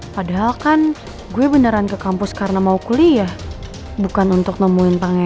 padahal kan gue beneran ke kampus karena mau kuliah bukan untuk nemuin pangeran